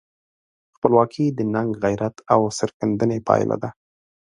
خپلواکي د ننګ، غیرت او سرښندنې پایله ده.